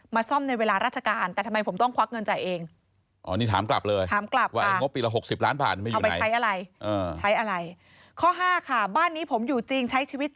ซ่อมในเวลาราชการแต่ทำไมผมต้องควักเงินจ่ายเอง